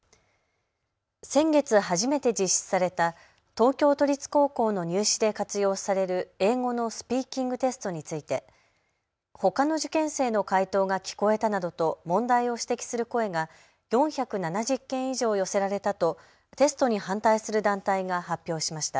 先月初めて実施された東京都立高校の入試で活用される英語のスピーキングテストについてほかの受験生の解答が聞こえたなどと問題を指摘する声が４７０件以上寄せられたとテストに反対する団体が発表しました。